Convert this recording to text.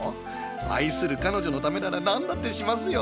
愛する彼女のためなら何だってしますよ。